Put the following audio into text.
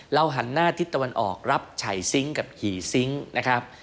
หันหน้าทิศตะวันออกรับฉ่ายซิงค์กับขี่ซิงค์นะครับ